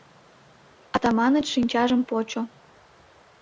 Атаманыч шинчажым почо.